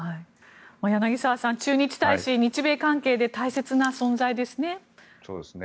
柳澤さん、駐日大使日米関係で大切な存在ですね。